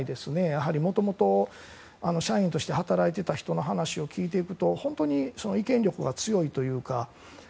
やはり、もともと社員として働いてた人の話を聞いていくと本当に意見力が強いというか。